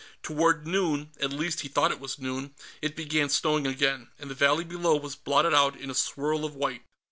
Toward noon at least he thought it was noon it began snowing again, and the valley below was blotted out in a swirl of white.